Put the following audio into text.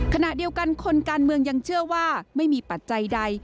ขณะเดียวกันคนการเมืองยังเชื่อว่าไม่มีปัจจัยใด